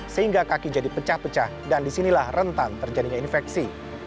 sehingga kaki jadi pecah pecah dan disinilah rentan terjadinya infeksi